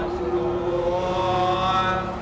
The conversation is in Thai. อดีต